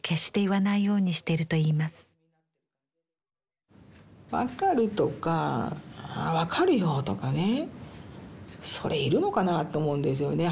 「わかる」とか「わかるよ」とかねそれいるのかなって思うんですよね。